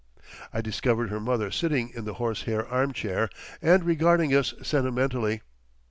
I discovered her mother sitting in the horsehair armchair and regarding us sentimentally.